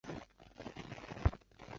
清朝第六代车臣汗。